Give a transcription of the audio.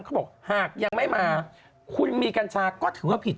เขาบอกหากยังไม่มาคุณมีกัญชาก็ถือว่าผิด